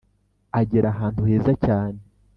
agera ahantu heza cyane